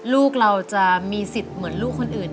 ลูกเราจะมีสิทธิ์เหมือนลูกคนอื่น